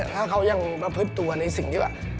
ถ้าเขายังมาพฤตัวในสิ่งที่ว่า